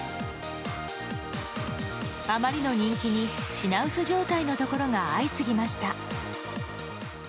あまりの人気に品薄状態のところが相次ぎました。